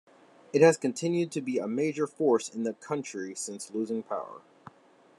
It has continued to be a major force in the country since losing power.